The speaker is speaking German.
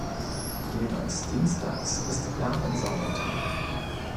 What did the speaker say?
Jeweils dienstags ist Damen-Sauna-Tag.